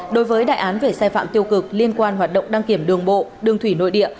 đối với đại án về sai phạm tiêu cực liên quan hoạt động đăng kiểm đường bộ đường thủy nội địa